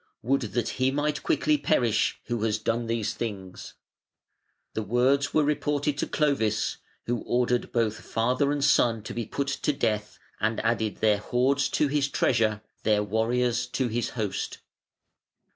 Would that he might quickly perish who has done these things!" The words were reported to Clovis, who ordered both father and son to be put to death, and added their hoards to his treasure, their warriors to his host.